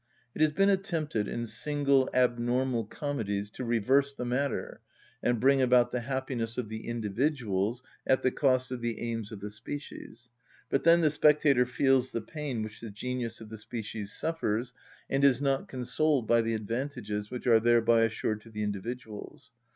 It has been attempted in single, abnormal comedies to reverse the matter and bring about the happiness of the individuals at the cost of the aims of the species; but then the spectator feels the pain which the genius of the species suffers, and is not consoled by the advantages which are thereby assured to the individuals.